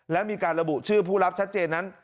และมีการระบุชื่อผู้รับชัดเจนนั้น